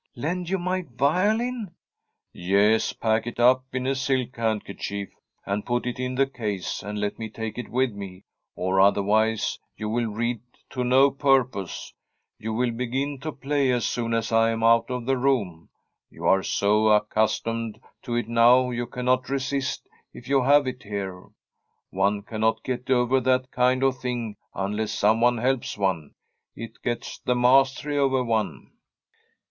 * Lend you my violin ?' 17] From a SfFSDISH HOMESTEAD •' Yes ; pack it up in a silk handkerchief, and put it in the case, and let me take it with me, or otherwise you will read to no purpose. You will begin to play as soon as I am out of the room. You are so accustomed to it now you cannot resist if you have it here. One cannot get over that kind of thing unless someone helps one ; it gets the mastery over one.'